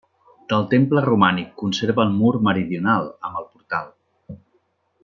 Del temple romànic conserva el mur meridional, amb el portal.